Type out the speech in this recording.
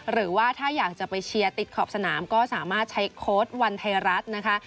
หรือว่าถ้าอยากจะไปเชียร์ติดขอบสนามก็สามารถใช้โค้ดวันไทยรัฐนะคะ